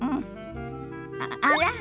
あら？